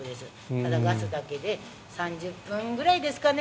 ただ、ガスだけで３０分くらいですかね。